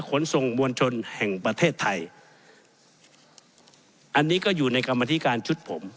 ขนส่งมวลชนแห่งประเทศไทยอันนี้ก็อยู่ในกรรมธิการชุดผม